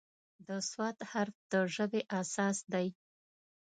د "ص" حرف د ژبې اساس دی.